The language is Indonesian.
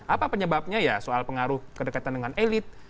apa penyebabnya ya soal pengaruh kedekatan dengan elit